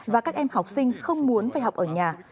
và các em học sinh không muốn phải học ở nhà